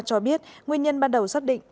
cho biết nguyên nhân ban đầu xác định